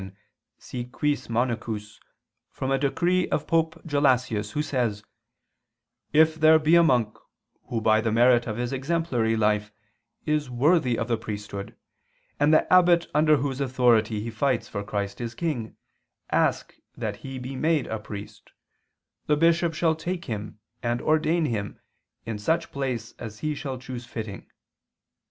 Si quis monachus) from a decree of Pope Gelasius, who says: "If there be a monk, who by the merit of his exemplary life is worthy of the priesthood, and the abbot under whose authority he fights for Christ his King, ask that he be made a priest, the bishop shall take him and ordain him in such place as he shall choose fitting."